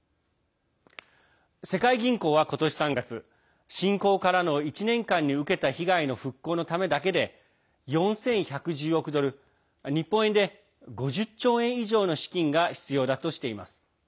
世界銀行は今年３月侵攻からの１年間に受けた被害の復興のためだけで４１１０億ドル日本円で５０兆円以上の資金が必要だとしています。